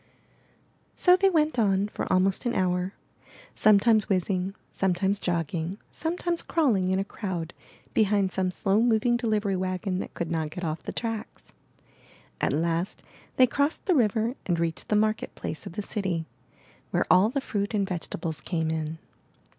So they went on for almost an hour, sometimes whizzing, sometimes jogging, sometimes crawling in a crowd behind some slow moving delivery wagon that could not get off the tracks. At last they crossed the river and reached the market place of the city, where all the fruit and vegetables came in.